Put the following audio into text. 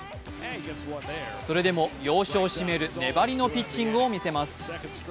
それでも要所を締める粘りのピッチングを見せます。